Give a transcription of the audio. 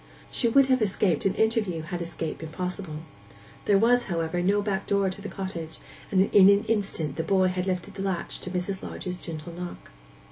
She would have escaped an interview, had escape been possible. There was, however, no backdoor to the cottage, and in an instant the boy had lifted the latch to Mrs. Lodge's gentle knock.